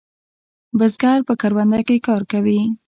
بزگر په کرونده کې کار کوي.